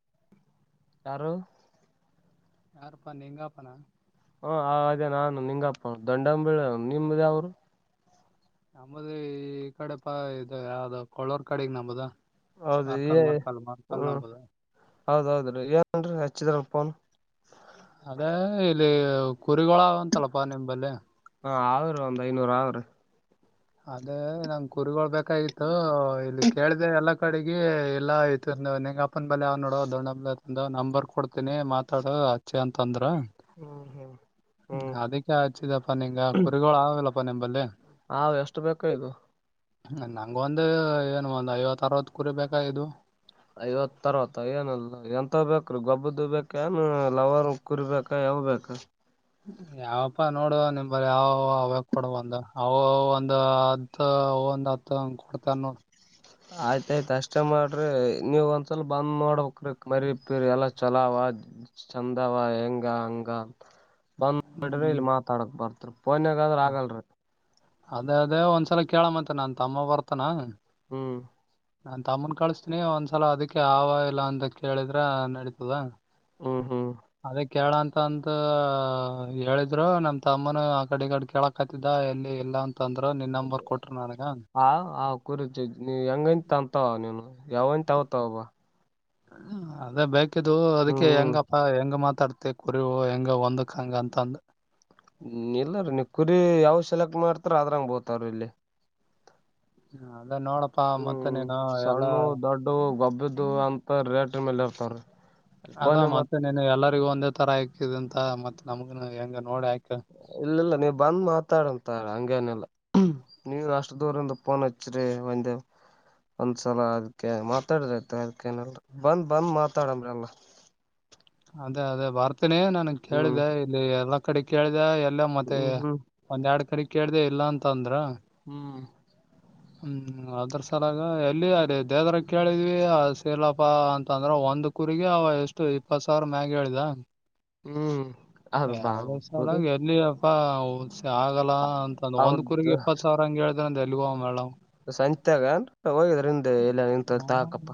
[inaudible] ಯಾರು ಯಾರುಪ್ಪ ನೀ ಹೆಂಗಪ್ಪಾನ ಹ ಅದೇ ನಾನು ನಿಂಗಪ್ಪ ದಂಡಂಬಳ ನಿಮ್ದಾವರು ನಮ್ಮದ ಈ ಕಡೆ ಪ ಇದು ಯಾವ್ದ ಕಳೋರ್ ಕಡೆಗ ನಂಬದ ಹೌದು ಮಾರ್ಕಲ್ ಮಾರ್ಕಲ್ ಮಾರ್ಕಲ್ ನಂಬದ ಹೌದೌದು ಅಾ ಇಲ್ಲಿ ಕುರಿಗಳೊಳ ಅಂತಲ್ಲಪಾ ನಿಂಬಲ್ಲಿ ಹ ಅವರು ಒಂದ್ ಐನೂರು ಅವ್ರು ಅದೇ ನಂ ಕುರಿಗಳಳ್ ಬಾಗಿತ್ತುು ಇಲ್ಲಿ ಕೇಳ್ದ ಎಲ್ಲಾ ಕಡೆಗೆ ಎಲ್ಲಾ ಆಯ್ತು ನಿಂಗ ಅಪ್ಪನ್ ಬಲ್ಿ ಅವ್ ನೋಡ ದ ಬ ನಂಬರ್ ಕೊಡ್ತೀನಿ ಮಾತಾಡ ಅಚ್ಚಿ ಅಂತ ಅಂದ್ರ ಹ್ಮ್ ಹ್ಮ್ ಹ್ಮ್ ಅದಕ್ಕೆ ಹಚ್ಚಿದಪ್ಪಾ ನಿಂಗ ಕುರಿಗಳು ಆಗಲ್ಲಪ್ಪ ನಿಂಬಲ್ಲಿ ಹಾ ಎಷ್ಟು ಬೇಕ ಇದು ನಂಗ ಒಂದ ಏನು ಒಂದ್ ಐವತ್ತ ಅರವತ್ ಕುರಿ ಬೇಕ ಇದು ಐವತ್ ತರತ ಏನಲ್ಲ ಎಂತ ಬೇಕ್ರೀ ಗೊಬ್ಬ್ದ ಬೇಕ ಏನು ಲವರ್ ಕುರಿಬೇಕೇಕಾಏ ಯಾವಬೇಕ ಯಾವಪ್ಪಾ ನೋಡು ನಿಮ್ ಬರ ಯಾವ ಅವ್ಯ ಕೊಡಬಂದು ಅವ ಒಂದ ಅ ಒಂದು ಹತ್ತು ಕೊಡ್ತಾನ ಆಯ್ತಾಯ್ತ ಅಷ್ಟೇ ಮಾಡ್ರಿ ನೀವ ಒಂದ್ಸಲ ಬಂದ್ ನೋಡ್ಬೇಕ್ರಿ ಮರಿ ಇತೀರಿ ಎಲ್ಲ ಚಲ ಚಂದಾವ ಹೆಂಗ ಹಂಗ ಬಂದ್ ನೋಡ್ರಿ ಹ್ಮ್ ಇಲ್ಲಿ ಮಾತಾಡಕ್ ಬರ್ತ್ರಿ ಪೋನ್ಯಾಗಾದ್ರ ಆಗಲ್ರಿ ಅದೇ ಅದೇ ಒಂದ್ಸಲ ಕೇಳ ಮಂತೆ ನನ್ ತಮ್ಮ ಬರ್ತನ ಹ್ಮ್ ನಾನ್ ತಮ್ಮನ್ ಕಳಿಸಸ್ತೀನಿ ಒಂದ್ಸಲ ಅದಕ್ಕೆ ಆವ ಇಲ್ಲ ಅಂತ ಕೇಳಿದ್ರ ನಡೀತದ ಹ್ಮ್ ಹ್ಮ್ ಕೇಳಂತ ಅಂತ ಹೇಳಿದ್ರು ನಮ ತಮ್ಮನ ಆ ಕಡೆ ಕಡ ಕೆೇಳಕತ್ತಿದ ಎಲ್ಲಿ ಎಲ್ಲಾ ಅಂತ ಹ ಆ ಕುರುಜು ನೀ ಹೆಂಗಂತ ಅಂತವ ನೀನು ಯಾವಂತಗತ ಒಬ ಅದೇ ಬೇಕಿದ್ದು ಅದಕ್ಕೆ ಹ್ಮ್ ಹೆಂಗಪ್ಪ ಹೆಂಗ ಮಾತ್ ತಡ್ತೆ ಕುರಿವು ಹೆಂಗ ಒಂದಕ್ ಹಂಗ ಅಂತಂದ ಹ್ಮ ಇಲ್ಲಾರೀ ನೀ ಕುರಿ ಯಾವ ಸೆಲೆಕ್ಟ್ ಮಾಡ್ತಾರ ಆದದ್ರಂಗ್ ಬೋತಾರ್ರೀ ಇಲ್ಲಿ ಹಾ ಹ್ಮ್ ಸಣ್ಣ ದೊಡ್ಡು ಗೊಬ್ಬ್ದ ಅಂತ ರೇಟ ಮೇಲೆ ಇರ್ತವ್ರೀ ಅಲ್ಲ ಮತ್ತೆ ನಿನ್ ಎಲ್ಲರಿಗು ಒಂದೇ ತರ ಆತಿದ ಅಂತ ಮತ್ತತ್ ನಮ್ಗ ಹೆಂಗ ನೋಡಿ ಆ ಇಲ್ಲ ಇಲ್ಲ ನೀವು ಬಂದ್ ಮಾತಾಡಂತ ಹಂಗೇನೆಲ್ಲ ನೀವ ಅಷ್ಟ ದೂರಂದು ಪನಚ್ ರ ಒಂದು ಒಂದ್ಸಲ ಅದ್ಕ ಮಾತಾಡ್ರೈತ ಅದ್ಕೇನಲ್ ಬಂದ್ ಬಂದ್ ಮಾತಾಡಮ್ರಲ್ಲ [inaudible] ಅದೇ ಅದೇ ಬರ್ತೀನಿ ನನ್ ಹ್ಮ್ ಕೇಳಿದೆ ಇಲ್ಲಿ ಎಲ್ಲಾ ಕಡೆ ಕೇಳಿದೆ ಇಲ್ಲ ಮತ್ತೆ ಹ್ಮ್ ಹ್ಮ್ ಒಂದ ಎರಡ್ ಕಡೆ ಕೇಳ್ದ ಇಲ್ಲ ಅಂತ ಅಂದ್ರ ಹ್ಮ್ ಹ್ಮ್ ಅದ್ರ ಸಲಾಗ ಎಲ್ಲಿ ಅದೇ ದೇವದ್ರ ಕೇಳಿದ್ವಿ ಸೀಲಪ್ಪಾ ಅಂತಂದ್ರ ಒಂದ ಒಂದು ಕುರಿಗಿ ಅವ ಎಷ್ಟು ಇಪ್ಪತ್ ಸಾವಿರ ಮ್ಯಾಗಿ ಹೇಳಿದ ಹ್ಮ್ ಅದು ಬಾ ಯಾವಲ ಸಳ ಕುರಿ ಎಲ್ಲಿ ಪ್ಪಸ ಆಗಲ್ಲ ಅಂತಂದು ಒಂದ್ ಹೌದ ಕುರಿಗ ಇಪ್ಪತ್ತು ಸಾವಿರ ಹಂಗಗೆ ಹೇಳಿದ್ರೆ ಅಂದ ಎಲ್ಗೋ ಮೇಡಮ್ ಸಂಚಾಗ ಹೋಗಿದ್ರ ನಿಿಂದ ಎಲ್ಲ ನಿಂತತಾ ಹಾಕಪ್ಪ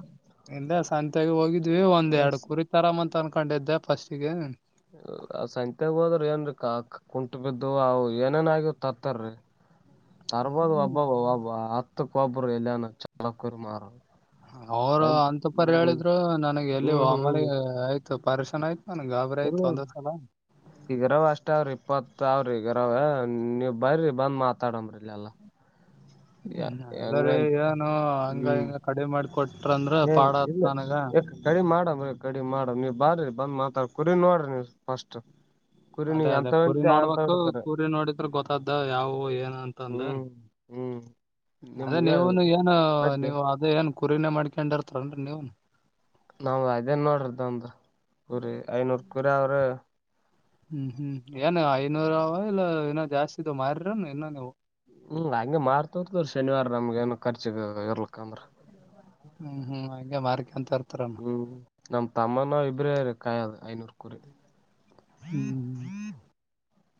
ಅಂತಾಗ ಹೋಗಿದ್ವಿ ಒಂದ ಎರಡು ಕುರಿ ತರಾಮ ಅಂತ ಅನ್ಕೊಂಡಿದ್ದೆ ಫಸ್ಟಿಗೆ ಸಂಂತೆಗ್ ಹೋದ್ರ ಏನ್ೀ ಕ ಕುಂಟ ಬಿದ್ದು ಅವು ಏನೇನ್ ಆಗ್ಯ್ ತರ್ತಾರೀ ಹ್ಮ ತರ್ಬೋದು ಒಬ್ಬಬ್ ಒಬ್ಬ ಹತ್ತುಕ್ಕ ಒಬ್ಬರು ಎಲ್ಲಯಾನ ಚಲಕ್ಕರಿ ಮಾರ ಅವರು ಸಂತ ಅಂತ ಪರಿ ಹ್ಮ್ ಹೇಳಿದ್ರು ನನಗೆ ಹ್ಮ್ ಎಲ್ಲಿಮಲೆ ಆಯ್ತು ಪರ್ಶನ ಆಯ್ತು ನನಗೆ ಗಾಬರಿ ಆಯ್ತು ಎ ಒಂದೇ ಸಲ ಈಗರಾವ ಅಷ್ಟ ಅವಾವ್ರಿ ಇಪ್ಪತ್ ಮ ಅವ್ರಿ ಈಗರವ ನೀವ್ ಬರ್ರಿ ಬಂದ್ ಮಾತಾಡಂಬ್ರಿಲ್ಲ ಎಲ್ಲ ಹ್ಮ ಅಲ್ಲರಿ ಏನು ಹಂಗ ಹಿಂಗ ಕಡಿ ಮಾಡಿಕೊಟ್ಟ ಹಏ ಇಲ್ಲ ಯ ಕಡಿಮ ಮಾಡಮ್ಮ ಗಡಿ ಮಾಡ ನೀವು ಬಾರ್ರಿ ಬಂದ್ ಮಾತಾಡ್ ಕುರಿ ನೋಡ್ರಿ ನೀವು ಫಸ್ಟ್ ಕುರಿ ಅದೇ ನೀವ್ ಅದೇ ಕುರಿ ಎಂತವಂತ ಅಂತ ನೋಡ್ಬೇಕು ಹಡ್ಕರ ಕುರಿ ನೋಡಿದ್ರ ಗೊತ್ತಾದ್ದ ಯಾವವು ಏನ್ ಅಂತಂದ ಹ್ಮ್ ಹ್ಮ್ ಅದೇ ನಿಮ್ಗೆ ನೀವುನು ಏನು ಮತ್ತೆ ನೀವು ಅದೇ ಏನ್ ಕುರಿನೇ ಮಾಡ್ಕೊಂಡಾರ ತಗೊಂಡ್ರಿ ನೀವ್ ನಾವ ಅದೇನ್ ನೋಡ್ರದ ಒಂದು ಕುರಿ ಐನೂರ್ ಕುರಿ ಅವ್ರ ಹ್ಮ್ ಹ್ಮ್ ಏನ್ ಐನೂರ ಅವ ಇಲ್ಲ ಇನ್ನೋ ಜಾಸ್ತಿ ಇದ ಮಾರನು ಇನ್ನೋ ನೀವು ಹ್ಮ್ ಹಂಗೆ ಮಾರ್ತರ್ತವ್ರ ಶನಿವಾರ ನಮ್ಗೆ ಏನ ಖರ್ಚಿಗೆ ಇರ್ಲಕ್ಕ ಅಂದ್ರ ಹ್ಮ್ ಹ್ಮ್ ಹಗೆ ಮಾರ್ಕಂತಾರ ಹ್ಮ್ ನಮ್ ತಮ್ಮನಾವ ಇಬ್ರೇ ರ ಕಾಯದು ಐನೂರ್ ಕುರಿ ಹ್ಮ್ ಹ್ಮ್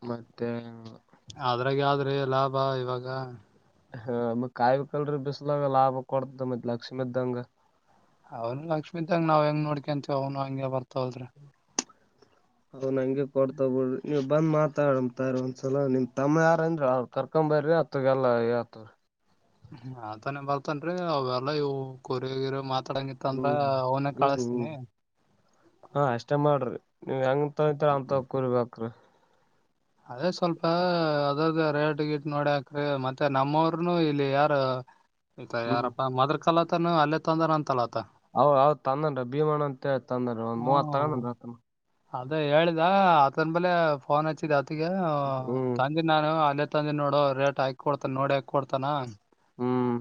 ಮತ್ತೆ ಅದ್ರಾಗ ಆದ್ರೆ ಲಾಭ ಇವಾಗ ಹ್ಮ ಮತ್ ಕಾಯ್ಬೇಕಕ್ರಿ ಬಿಸಲಂಗ ಲಾಭ ಕೊಡ್ತ ಮತ್ ಲಕ್ಷ್ಮಿ ಇದಂಗ ಅವನು ಲಕ್ಷ್ಮೀದಂಗ ನಾವ್ ಹೆಂಗ್ ನೋಡ್ಕೊಂತೀವಿ ಅವನು ಹಂಗಗೆ ಬರ್ತವಲ್ ಅವ್ ನ ಹಂಗೆ ಕೊಡ್ತ ಬಿಡ್ರಿ ನೀವು ಬಂದ್ ಮಾತಾಡತಾರ ಒಂದ್ಸಲ ನಿಮ್ ತಮ್ಮ ಯಾರಂದ್ರ ಅವ್ರು ಕರ್ಕೊ ಬರ್ರಿ ಹತ್ತು ಗಲ್ಲ ಆ ಯತ್ತು ಹ್ಮ ಆತಾನೇ ಬರ್ತನ್ ಅವೆಲ್ಲಾ ಇವು ಕೊರಿಗಿರ ಮ ಹ್ಮ್ ಹ್ಮ್ ಹ್ಮ್ ಹಾ ಅಷ್ಟೇ ಮಾಡ್ರಿ ನೀವ್ ಹೆಂಗ ತಗತ್ ಅವ್ ತಗ ಕುರ್ಬೇಕ್ರೀ ಅದೇ ಸ್ವಲ್ಪ ಅದದ್ದ ರೇಟ್ ಗಿಟ್ ನೋಡಿಕ್ರಿ ಮತ್ತೆ ನಮ್ಮವ್ರನು ಇಲ್ಲಿ ಯಾರ ಆಯ್ ಹ್ಮ್ ಯಾರಪ್ಪಾ ಮದ್ರ ಕಾಲತನು ಅಲ್ಲೇ ತೊಂದ್ರ ಅಂತಲ್ಲತ ಹ ಹದ ತಂದನ್ ಭೀಮಣ ಅಂತ ತಂದ್ರ ಒಂದ್ ಮೂವತ್ ಹ್ಮ್ ತಗೊಂಡ ಆ ಅದೇ ಹೇಳಿದ ಆತನ್ ಬಲೆ ಫೋನ್ ಹಚ್ಚಿದ ಆತಿಗೆ ಹ್ಮ್ ತಂದೆ ನಾನು ಅಲ್ಲಿ ಇಂದನ್ ನೋಡು ರೇಟ್ ಹಾಕ ಕೊಡ್ತ ನೋಡಿ ಹಾಕ ಕೊಡ್ತಾನ ಹ್ಮ್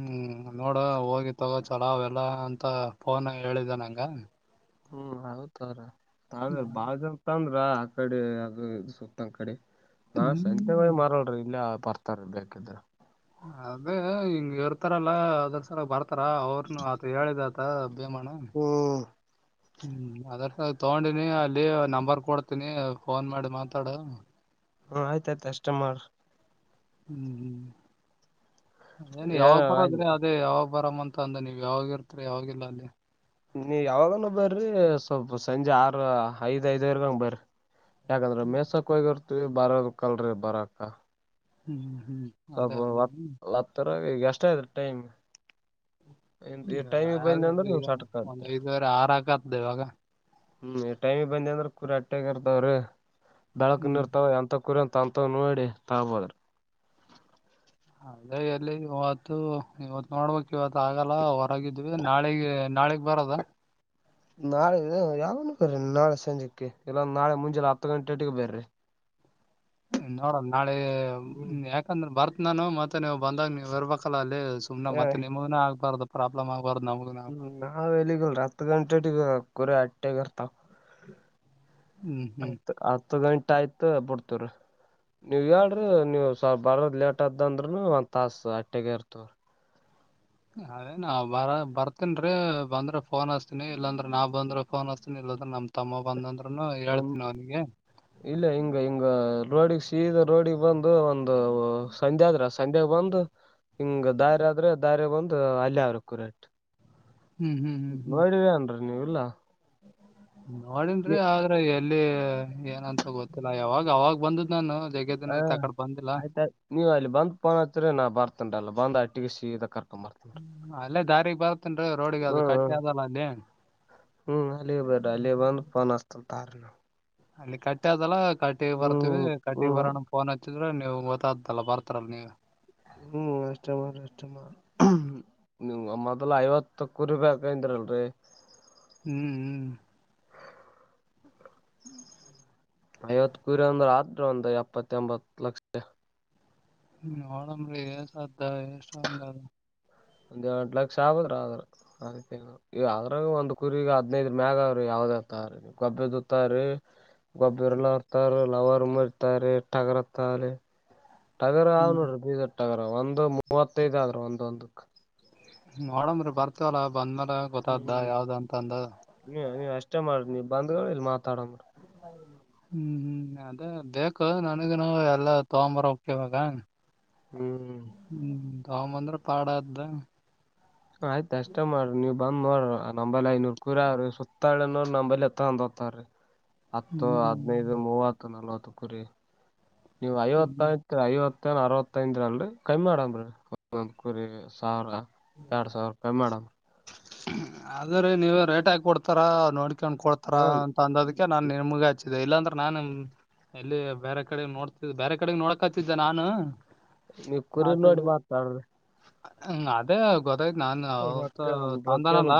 ಹ್ಮ್ ನೋಡ ಹೋಗಿ ತಗೋ ಚಲಾವ್ ಎಲ್ಲ ಅಂತ ಫೋನ್ ಹೇಳಿದ್ದ ನಂಗ ಹ್ಮ್ ಹೌತ್ರ ತಳ ಬಾಳತ ಅಂದ್ರ ಆ ಕಡೆ ಅದು ಇ ಸುತ್ತ ಅ ಕಡೆ ನಾ ಹ್ಮ್ ಸಂಜೆಗಳಿ ಮರಳಿ ಇಲ್ಲೇ ಬರ್ತಾರ ಬೇಕಿದ್ರ ಅದೆ ಹಿಂಗ ಇರ್ತಾರಲ್ಲಾ ಅದ್ರ ಸಲ ಬರ್ತ ಅಪ್ರಾ [unintelligible] ಅವ್ರನು ಆತ ಹೇಳಿದ ಆತ ಭೇಮಣ ಹ್ಮ್ ಹ್ಮ್ ಅದ್ರಸ ತಗೊಂಡಿನಿ ಅಲ್ಲಿ ನಂಬರ್ ಕೊಡ್ತೀನಿ ಫೋನ್ ಮಾಡಿ ಮಾತಾಡು ಹ ಆಯ್ತಾಯಯ್ತು ಅಷ್ಟಮರ್ ಹ್ಮ್ ಹ್ಮ್ ಏನ್ ಏನ ಯಾವಾಗ ಆಯ್ತು ಬರದ್ರೆ ಅದೇ ಯಾವಾಗ ಬರಾಮ ಅಂತ ಅಂದ ನೀವ ಯಾವಾಗ ಇರ್ತರಿ ಯಾವಿಲ್ಲ ಅಲ್ಲಿ ನೀ ಯಾವಾಗನ ಬರ್ರಿ ಸ್ವಲ್ಪ ಸಂಜೆ ಆರು ಐದ ದವರೆಗ ಹಂಗಗೆ ಬರ್ರ ಯಾಕಂದ್ರೆ ಮೇಸಕ್ ಹೋಗಿರ್ ಅ ಬರೋದ ಕಲ್ರಿ ಬರಕ್ಕ ಹ್ಮ್ ಹ್ಮ್ ಅದೇ ಅದೇ ಹ್ಮ್ ಹತ್ತರ ಈಗ ಎಷ್ಟ ಆಯ್ತ ಟೈಮ್ ಈ ಟೈಮಿಗೆ ಬಂದೀನಿ ಅಂದ್ರೆ ನೀಮ್ ಏನು ಸಾರ್ಟಕ್ ಒಂದ್ ಆತ್ರಿ ಐದುವರೆ ಆರ್ ಹಾಕತ್ದ ಇವಾಗ ಹ್ಮ್ ಟೈಮಿ ಬಂದಿ ಅಂದ್ರೆ ಕುರಿ ಅಟ್ಟೆಗ ಇರ್ತವ್ರೀ ದಡಳಕ್ನ್ ಹ್ಮ್ ಇರ್ತಾವ ಎಂತ ಕುರಿಂತ ತಂತ ನೋಡಿ ತಬೋದ್ರ ಅದೇ ಎಲ್ಲಿ ಇವತ್ತು ಇವತ್ತು ನೋಡ್ಬೇಕಕ್ ಇವತ್ತು ಆಗಲ್ಲ ಹೊರಗಿದ್ವಿ ನಾಳೆಗೆ ನಾಳೆ ಎಗ್ ಬರದಾ ನಾಳೆ ಯಾವ ಬರ್ರಿ ನಾಳೆ ಸಂಜೆಕ್ಕೆ ಇಲ್ಲಂದ ನಾಳೆ ಮುಂಜೆ ಹತ್ತು ಗಂಟೆ ಅಟ್ಟಿಗೆ ಬರ್ರಿ ನೋಡಲ್ ನಾಳೆ ಹ್ಮ್ ಯಾಕಂದ್ರ ಬರ್ತ್ ನಾನು ಮತ್ತೆ ನೀವವು ಬಂದಾಗ ನೀವ್ ಇರ್ಬೇಕಲ್ಲ ಅಲ್ಲಿ ಸುನೆ ಮತ್ತೆ ನಿಮ ಆಗ್ಬಾರ್ದು ಪ್ರಾಬ್ಲಮ್ ಆಗ್ ಹ್ಮ್ ನಾವ್ ಎಲ್ಲಿಗಲ್ ಹತ್ತು ಗಂಟೆ ತನಕ ಕುರಿ ಅಟ್ಟೆಗರ್ತಾವ [inaudible] ಹ್ಮ್ ಹತ್ ಹತ್ತು ಗಂಟ ಆಯ್ತ ಬಿಡ್ತವ್ರ ನೀವ ಹೇಳ್ರಿ ನೀವು ಸ್ವಲ್ ಬರದ ಲೇಟ್ದ ಅಂದ್ರರುನು ಒಂದ್ ತಾಸು ಅಟ್ಟಗ ಇರ್ತವ್ರ ನಾಳೆ ನಾ ಬರ ಬರ್ತನಿರೀ ಬಂದ್ರೆ ಫೋನ್ ಹಚ್ಚಿನಿ ಇಲ್ಲಾಂದ್ರ ನಾ ಬಂದ್ರೆ ಫೋನ್ ಹಚ್ಚಿನಿ ಇಲ್ಲ ನಮ್ಮ ತಮ್ಮ ಬಂದ ಅಂದ್ರ ಒ ಇಲ್ಲ ಹಿಂಗ ಹಿಂಗ ರೋಡಿಗೆ ಸೀದ ರೋಡಿಗೆ ಬಂದು ಒಂದು ಸಂಧೆ ಆದ್ರ ಸಂಧ್ಯಾಗ ಬಂದು ಹಿಂಗ ದಾರ ಆದ್ರೆ ದಾರಿ ಬಂದು ಅಲ್ಯ ಅವ್ರಕುರೆೇಟ್ ಹ್ಮ್ ಹ್ಮ್ ಹ್ಮ್ ನೋಡಿವೇ ಅನ್ರಿ ನೀವ್ ಇಲ್ಲ ನೋಡನ್ರೀ ಆದ್ರ ಎಲ್ಲಿ ಏನಂತ ಗೊತ್ತಿಲ್ಲ ಯಾವಾಗ ಅವಾಗ್ ಬಂದದ್ ನಾನು ಜಗ್ಗೆ ಹ ದಿನ ಆಯ್ತ ಆ ಕಡೆ ಬಂದಿಲ್ಲ ಆಯ್ತಾಯ ನೀವು ಅಲ್ಲಿ ಬಂದ್ ಪೋನ್ ಹಚ್ಚೇರಿ ನಾ ಬರ್ತನ್ರೀ ಬಂದ್ ಅಟ್ಟಿಗೆ ಸೀದ ಕರ್ ಅಲ್ಲೇ ದಾರಿಗ್ ಬರ್ತ್ತನ್ರರಿ ರೋಡ್ಗೆ ಅದು ಹ್ಮ್ ಕಟ್ಟಿ ಹ್ಮ್ ಅದಲ್ಲ ಅಲ್ಲಿ ಹ್ಮ್ ಅಲ್ಲಿ ಬೇಡ್ರ ಅಲ್ಲಿ ಬಂದು ಪೋನ್ ಹಚ್ಚು ಸಾಕು ಅಲ್ಲಿ ಕಟ್ಟಿ ಅದಲ್ಲ ಕಟ್ಟಿ ಬರ್ತವಿ ಕಟ್ಟಿ ಹ್ಮ್ ಬರೋಣ ಫೋನ್ ಹಾಚ್ಚ್ ನೀವು ಗೊತ್ತಾತಲ್ಲ ಬರ್ತೀರಲ್ ನೀವು ಹ್ಮ್ ಅಷ್ಟೇ ಮಾಡ್ ಅಷ್ಟೇ ಮಾಡ್ ನೀವ್ ಮೊದಲು ಐವತ್ತು ಕುರಿ ಬೇಕು ಅಂದಲ್ರಿ ಹ್ಮ್ ಹ್ಮ್ [inaudible] ಐವತ್ ಕುರಿ ಅಂದ್ರೆ ಆದರು ಒಂದು ಎಪ್ಪತ್ತ ಎಂಬತ್ ಲಕ್ಷ ಹ್ಮ್ ನೋಡಬ್ರಿ ಎಷ್ಟು ಆಗ್ತಾ ಎಷ್ಟು ಅಂತ ಒಂದ್ ಎರಡು ಲಕ್ಷ ಆಗುದ್ರ ಆದದ್ರ ಆ ಅದ್ರರ್ಗು ಒಂದ್ ಕುರಿಗೆ ಹದ್ನೈದರ ಮ್ಯಾಗ ಅವ್ರೀ ಹೌದರಿ ಕೊಬ್ಬು ಇರ್ತಾವರಿ ಕೊಬ್ಬು ಇರಲಾರದವು ಇರ್ತವೇರಿ ಲವರ್ ಮರಿಇರ್ತವೆ ಟಗರು ಇರ್ತಾವರಿ ಟಗರು ಅವಾವ್ ಹ್ಮ್ ನೋಡ್ರಿ ಬೀದರ್ ಟಗರ್ ಒಂದು ಮೂವತ್ತೈದ್ ಆದ್ರ ಒಂದೊ ಒಂದಕ್ಕ ನೋಡಂದರೀ ಬರ್ತವಲ್ಲ ಬಂದ್ಮೇಲೆ ಗೊತ್ತ್ದ ಯಾವ್ದ ಅಂತ ಅಂದ ಇಷ್ಟ ಮಾಡಿ ಬಂದ್ ಇಲ್ಲಿ ಮಾತಾಡಮ್ರ ಹ್ಮ್ ಹ್ಮ್ ಆಯ್ತು ಬೇಕು ನನಗನು ಎಲ್ಲಾ ತಕೋಬಾರ ಹೋಗ್ತಿವಲ್ಲ ಹ್ಮ್ ಹ್ಮ್ ತಕೊಬಂದ್ರ ಪಾಡ್ಆದ್ಯ ಆಯ್ತ ಅಷ್ಟ ಮಾಡ್ರಿ ನೀವು ಬಂದ್ ನೋಡ್ರಿ ನಂಬಲ್ ಐನೂರ್ ಕುರೀ ಅವ್ರಿ ಸುತ್ತಾ ಹಳ್ಳಿನು ನಂಬಲ್ಲೆ ತಕೊಂಡು ಹೋಗ್ತಾರೆ. ಹತ್ತು ಹ್ಮ್ ಹದ್ನೈದು ಮೂವತ್ತು ನಲ್ವತ್ತು ಕುರಿ ನೀವು ಐವತ್ತು ಹ್ಮ್ ಐತ್ರಿ ಐವತ್ತು ಅರವತ್ತೈದರ ಅಲ್ರಿ ಕಮ್ಮಿ ಮಾಡಮ್ರಿರೀ ಒಂದು ಕುರಿ ಸಾವಿರ ಎರಡು ಸಾವಿರ ಪೆ ಮಾಡು ಆದ್ರೆ ನೀವ ರೇಟ್ ಹಾಕಿ ಕೊಡ್ತಾರಾ ನೋಡ್ಕೊಂಡ್ ಕೊಡ್ತಾರ ಹ ಅಂತ ಅಂದೋದಕ್ಕೆ ನಾನ್ ನಿಮಗ ಹಚ್ಚಿ ಇ ಇಲ್ಲಾಂದ್ರೆ ನಾನು ಎಲ್ಲಿ ಬೇರೆ ಕಡೆ ನೋಡ್ತ ಬೇರೆ ಕಡೆಗೆ ನೋಡಕ್ತಿದ್ದೆ ನಾನು ನೀವ್ ಕುರಿ ನೋಡಿ ಮಾತಾಡ್ರಿ ಹ್ಮ ಅದೇ ಗೊತ್ತಾಯ್ತ ನಾನ್ ಅವತ್ ರೊಕ್ಕ ತಂದಾನಲ್ಲ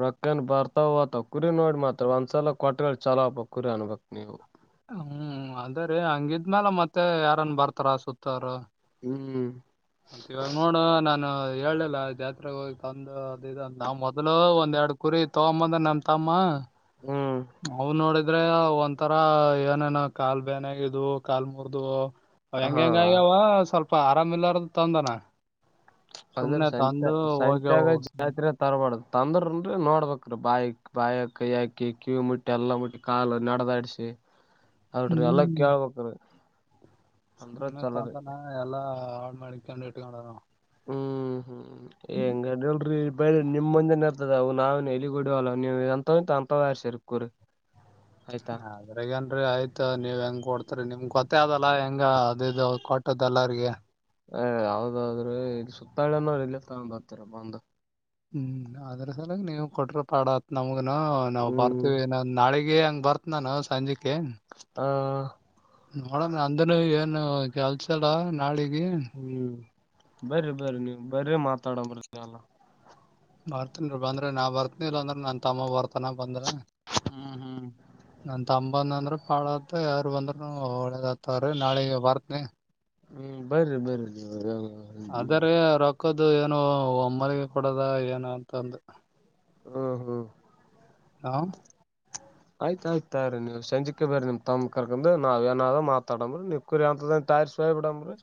ರೊಕ್ಕನ್ ಬರ್ತಾವ ಕುರಿ ನೋಡಿ ಮಾತಾಡು ಒಂದ್ಸಲ ಕೊಟ್ಟರು ಚಲೋ ಅದಪ್ಪ ಕುರಿ ಅನ್ಬಕ್ ನೀವು ಹ್ಮ್ ಅದೇ ರೀ ಹಂಗಿ ಇದ್ದಮೇಲೆ ಮತ್ತೆ ಯಾರನ್ ಬರ್ತಾರ ಸುತ್ತಾರು ಹ್ಮ್ ಮತ್ ಇವಾಗ ನೋಡು ನಾನು ಹೇಳಿಲ್ಲ ಜಾತ್ರೆ ಹೋಗಿ ತಂದು ಅದ ನಾವ್ ಮೊದಲು ಒಂದ್ ಎರಡು ಕುರಿ ತಗೊಂಬಂದ ನಮ ತಮ್ಮ ಹ್ಮ್ ಅವು ನೋಡಿದ್ರೆ ಒಂದು ತರ ಏನೇನ ಕಾಲ್ ಬೇನಾಗಿದ್ವು ಕಾಲ್ ಮುರಿದು ಹೆಂಗ ಹಾ ಹೆಂಗ ಆಗ್ಯಾವ ಸ್ವಲ್ಪ ಅಪ್ಪ ಆರಾಮ ಇಲ್ಲಾರ್ದು ತಂದಾನ ಅದ್ರ ಸಂತೆ ಸಂತ್ಯಾಗ ಜಾತ್ರೆಗ್ಯ ತರಬಾರುದು ತಂದ್ರನ್ರೀ ನೋಡ್ಬೇಕ್ರೀ ಬಾಯಾಕ್ ಬಾಯ ಕೈ ಹಾಕಿ ಕಿವಿ ಮುಟ್ಟಿ ಎಲ್ಲಾ ಮುಟ್ಟಿ ಕಾಲು ನಡದಾಡ್ಸಿ ಹಾಯ್ ಅವಡ್ರೆಲ್ಲ ಕೇಳ್ಬೇಕ್ರೀ ಸುಮ್ನೆ ತಂದಾನ ಎಲ್ಲಾ ಹಾಳ್ ಮಾಡಕೆಂಡ್ ಇಟ್ಕೊಂಡನವ ಹ್ಮ್ ಹ್ಮ್ ಹೆಂಗ ಅಡ್ಡಿಲ್ರೀ ಬ ನಿಮ್ ಮುಂದಿನರ್ ಅದವು ನಾವ ಎಲಿಗೂಡುವಲ್ಲ ನೀವುಂತ ಎಂತವ್ ಬೇಕ್ ಹಂತವ್ ಆರ್ಶ್ಯಗೋರ್ ಕುರಿ ಆಯ್ತಾ. ಆದ್ರಗೇನ್ ರಿ ಆಯ್ತ ನೀವ್ ಹೆಂಗ ಕೊಡ್ತರಿ ನಿಮ್ ಗೊತ್ತೇ ಅದಲ್ಲ ಹೆಂಗ ಅದಿದು ಕೊಟ್ಟದ್ ಎಲ್ಲಾರಗೆ ಏ ಹೌದೌದ್ರೀ ಇದು ಸುತ್ತಾಳ್ಳ್ಯಾನರ ಇಲ್ಲೇ ತಗೊಂಡ್ ಹೋಗ್ತಾರಿ ಬಂದ ಹ್ಮ್ ಅದ್ರ ಸಲಾಗ ನೀವು ಕೊಟ್ರ ಪಾಡಾತ್ ನಮ್ಗನು ನಾವ್ ಹ್ಮ್ ಬರ್ತೀವಿ ನಾ ನಾಳಿಗೆ ಹೂಂ ಬರ್ತ್ ನಾನು ಸಂಜಿಕ್ಕೆ ಹ ನೋಡಣ ನಂದುನು ಏನು ಕೆಲ್ಸಿಲ್ಲ ನಾಳಿ ಹ್ಮ್ ಬರ್ರಿ ಬರ್ರಿ ನೀವು ಬರ್ರಿ ಮಾತಾಡಂ ಬರ್ರೀ ಎಲ್ಲ ಬರ್ತನ್ರೀ ಬಂದ್ರೆ ನಾ ಬರ್ತನಿ ಇಲ್ಲ ಅಂದ್ರ ನನ್ ತಮ್ಮ ಬರ್ತ್ ತನಾ ಬಂದ್ರ ಹ್ಮ್ ಹ್ಮ್ ನನ್ ತಮ್ಮ ಬಂದ್ನಂದ್ರ ಹಾಳತ ಯಾರು ಬಂದ್ರೂನು ಒಳ್ಳೇದಾತಾವ್ರೀ ನಾಳಿಗ ಬರ್ತನಿ ಹ್ಮ್ ಬರ್ರಿ ಬರ್ರಿ ಹ ಅದರೀ ರೊಕ್ಕದು ಏನೋ ಒಮ್ಮಲಿಗೆ ಕೊಡದ ಏನು ಅಂತಂದು ಹ್ಮ್ ಹ್ಮ್ ಆ ಆಯ್ತಾಯ್ತ ತಗರೀ ನೀವ್ ಸಂಜೀಕೆ ಬರ್ರಿ ನಿಮ್ ತಮ್ಮನ್ ಕರ್ಕೆಂಡು ನಾವ್ ಏನಾರ ಮಾತಡಂಬ್ರಿ ನೀವ್ ಕುರಿ ಅಂತದೇ ಆರ್ಸಿ ಹೋಗ್ ಬುಡಮ್ರೀ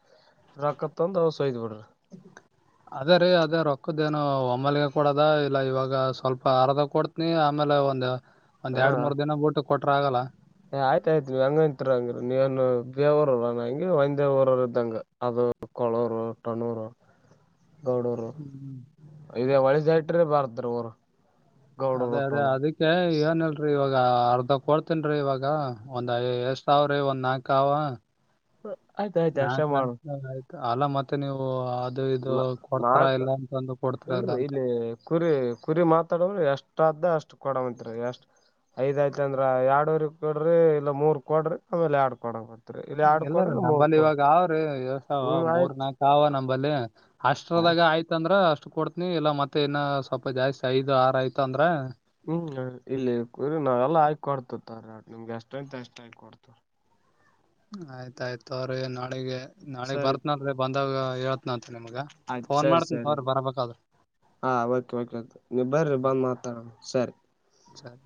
ರೊಕ್ಕ ತಗೊಂಡು ಓಸು ವೈದ್ ಬಿಡ್ರಿ [inaudible] ಅದೇ ರೀ ಅದೇ ರೊಕ್ಕದ ಏನೋ ಒಮ್ಮಾಲಿಗೆ ಕೊಡದ ಇಲ್ಲ ಇವಾಗ ಸ್ವಲ್ಪ ಅರದಾ ಕೊಡ್ತ್ನಿ ಆಮೆ ಲೇ ಒಂದು ಒಂದ್ ಎರಡು ಮೂರ್ ದಿನ ಬುಟ್ಟು ಕೊಟ್ ಏ ಆಯ್ತಾಯ್ತು ನೀವ್ ಹೆಂಗಂತೀರೀ ಹಂಗ್ರೀ ನೀವೇನು ಬೇರೆಊರವ್ರ ಹಂಗೆ ಒಂದೆ ಊರವ್ರ ಇದ್ದಂಗ ಅದು ಕೊಳ್ಳೂರು, ಟೊನ್ನೂರು ಗೌಡೂರು ಇದೆ ಹೊಳಿ ದಾಟೀದ್ರ ಬರದ್ರೀ ಊರು ಗೌಡ ಅದೇ ಅದೇ ರೊಟ್ಟನು ಅದಕ್ಕೆ ಏನಿಲ್ರಿ ಇವಾ ಗ ಅರ್ಧ ಕೊಡ್ತೇನ್ರೀ ಇವಾಗ ಒಂದ್ ಎಷ್ಟಾವ್ರಿ ಒಂದ್ ನಾಕ ಅವಾ ಹ್ಮ ನಾಲ್ಕ, ಅಲ್ಲ ಮತ್ತೆ ನೀವು ಅದು ಇದು ಮಾ ಕೊಡ್ತಾರ ಮಾತ್ ಇಲ್ಲ ಅಂತಂದು ಕೊಡ್ತಾರ ಇಲ್ಲ ಇಲ್ರಿ ಅಂತ ಇಲ್ಲಿ ಕುರಿ ಕುರಿ ಮಾತಾಡೋರ ಎಷ್ಟ್ ಷ್ಟಾದ್ಧ ಅಷ್ಟು ಕೊಡುಮಂತರಿ ಎಷ್ಟ ಐದಾಯ್ತ ಅಂದ್ರ ಎರಡೂವರಿಗೆ ಕೊಡ್ರಿ ಇಲ್ಲ ಮೂರ್ ಕೊಡ್ರಿ ಆಮೇಲೆ ಎರಡ್ ಕೊಡಬ ಇಲ್ಲಾರೀ ನಂಬಲ್ಲಿ ಇವಾಗ ಅವ್ರಿ ಇಳಸಾವ ಹ್ಮ್ ಮೂರ್ ಆಯ್ತ್ ನಾಕ ಅವ ನಂಬಲ್ಲಿ ಅಷ್ಟ್ರದಾಗ ಆಯ್ತ ಅಂದ್ರ ಅಷ್ಟು ಕೊಡ್ತ್ನಿ ಇಲ್ಲ ಮತ್ತೆ ಇನ್ನು ಸ್ವಲ್ಪ ಜಾಸ್ತಿ ಐದು ಆರು ಆಯ್ತ ಅಂದ್ರ ಹ್ಮ್ ಇಲ್ಲಿ ಕುರಿ ನಾವ ಎಲ್ಲ ಆಕೊಡ್ತವಿ ತೋರೀ ನಿಮ್ಗೆ ಎಷ್ಟಯ್ತ್ ಅಷ್ಟ ಆಯ ಕೊಡ್ತವ್ ಆಯ್ತಾಯ್ತೋರೀ ನಾಳಿಗೆ ನಾಳಿಗ್ ಸರಿ ಬರ್ತ್ನಲ್ರೀ ಬಂದಾಗ ಹೇಳ್ತ್ನಂತ ನಿಮ್ಗ ಆಯ್ತು ಫೋನ್ ಸರಿ ಮಾಡ್ತನಿ ಸರಿ ತೋರೀ ಬರ್ಬೇಕಾದ್ರ ಹಾ ಓಕೆ ಓಕೆ ಆಯ್ತು ನೀವ್ ಬರ್ರಿ, ಬಂದ್ ಮಾತಾಡೋಣ ಸರಿ ಸರಿ